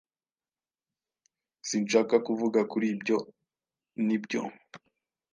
Sinshaka kuvuga kuri ibyo, Nibyo?